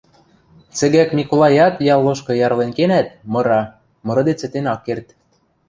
Цӹгӓк Миколаят йӓл лошкы ярлен кенӓт, мыра, мырыде цӹтен ак керд.